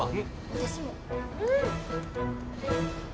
私も。